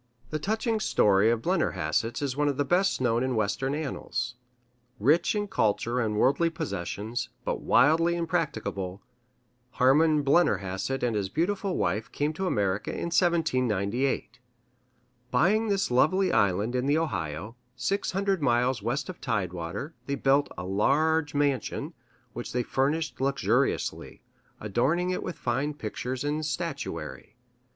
The touching story of the Blennerhassetts is one of the best known in Western annals. Rich in culture and worldly possessions, but wildly impracticable, Harman Blennerhassett and his beautiful wife came to America in 1798. Buying this lovely island in the Ohio, six hundred miles west of tidewater, they built a large mansion, which they furnished luxuriously, adorning it with fine pictures and statuary.